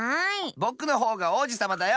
ぼくのほうがおうじさまだよ！